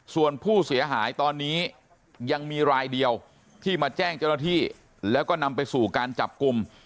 ส่วนผู้เสียหายตอนนี้ยังมีรายเดียวที่มาแจ้งเจ้าหน้าที่แล้วก็นำไปสู่การจับกลุ่ม